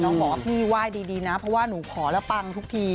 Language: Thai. บอกว่าพี่ไหว้ดีนะเพราะว่าหนูขอแล้วปังทุกที